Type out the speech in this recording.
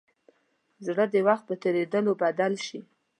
زړه د وخت په تېرېدو بدل شي.